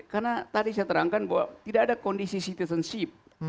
karena tadi saya terangkan bahwa tidak ada kondisi citizenship